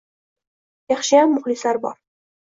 Yaxshiyam muxlislar bor.